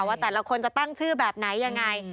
ว่าแต่ละคนจะตั้งชื่อแบบไหนยังไง